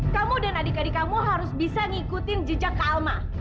kamu dan adik adik kamu harus bisa ngikutin jejak ke alma